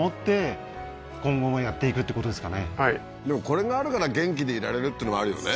でもこれがあるから元気でいられるってのもあるよね